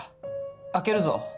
開けるぞ。